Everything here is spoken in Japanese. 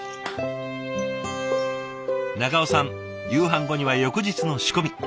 長尾さん夕飯後には翌日の仕込み。